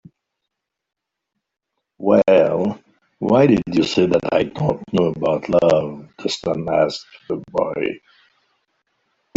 "Well, why did you say that I don't know about love?" the sun asked the boy.